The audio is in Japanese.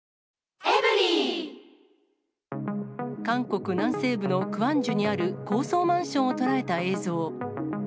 韓国南西部のクァンジュにある高層マンションを捉えた映像。